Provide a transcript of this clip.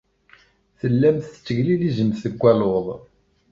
Tellamt tetteglilizemt deg waluḍ.